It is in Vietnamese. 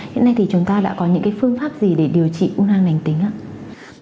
hiện nay thì chúng ta đã có những cái phương pháp gì để điều trị u nang lình tính